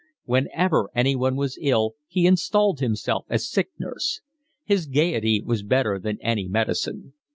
Whenever anyone was ill he installed himself as sick nurse. His gaiety was better than any medicine.